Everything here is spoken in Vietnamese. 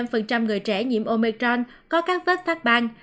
những người nhiễm omicron có các vết phát ban